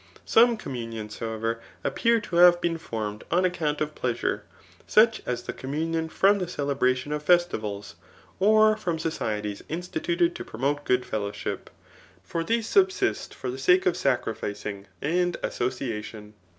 Some c^mikia nions, however, appear to have been formed 6n accdtmt of pleasure, such as the communion from the telebftttfea of festivals, or from societies instituted* to promote g66d fellowship ; for these subsist for the sake of sacrifidng and association.